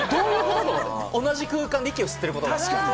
同じ空間で息を吸ってることが。